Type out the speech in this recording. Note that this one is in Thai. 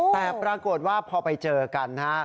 แต่ปรากฏว่าพอไปเจอกันฮะ